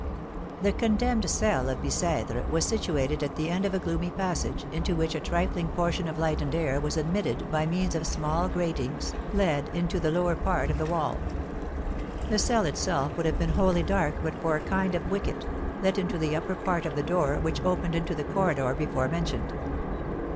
The condemned cell of Bicêtre was situated at the end of a gloomy passage, into which a trifling portion of light and air was admitted by means of small gratings let into the lower part of the wall. The cell itself would have been wholly dark but for a kind of wicket, let into the upper part of the door, which opened into the corridor before mentioned.